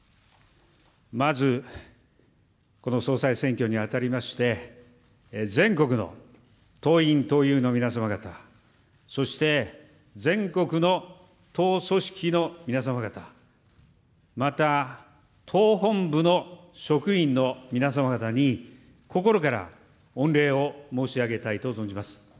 まず、この総裁選挙にあたりまして、全国の党員・党友の皆さま方、そして、全国の党組織の皆さま方、また党本部の職員の皆様方に心から御礼を申し上げたいと存じます。